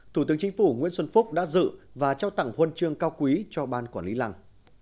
thủ tướng chính phủ nguyễn xuân phúc đã dự và trao tặng huân chương cao quý cho ban quản lý lăng